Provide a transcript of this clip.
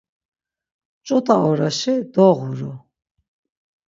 Ç̌ut̆a oraşi, doğuru.